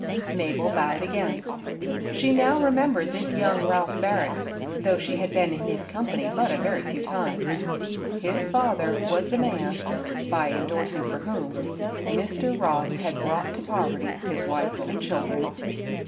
'* Mabel bowed again. She now remembered this young Ralph Barrett, though she had been in his company but a very few times. His fether was the THE PAWNBROKER. 22T man, by endorsing for whom, Mr. Ross had brought to poverty his wife and children.